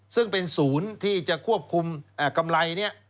ซึ่งเป็นศูนย์ที่จะควบคุมกำไรนี้